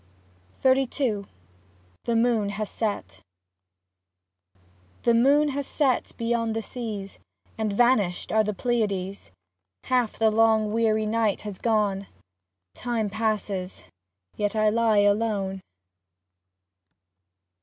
42 XXXII THE MOON HAS SET The moon has set beyond the seas, And vanished are the Pleiades ; Half the long weary night has gone, Time passes — yet I lie alone.